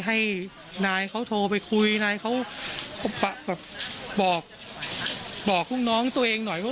ให้ไนเขาโทรไปคุยไนเขาบอกปวกน้องตัวเองหน่อย